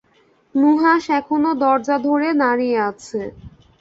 নুহাশ এখনো দরজা ধরে দাঁড়িয়ে আছে।